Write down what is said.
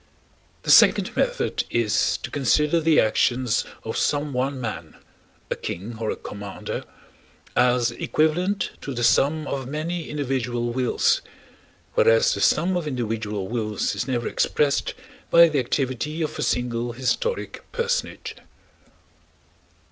The second method is to consider the actions of some one man—a king or a commander—as equivalent to the sum of many individual wills; whereas the sum of individual wills is never expressed by the activity of a single historic personage.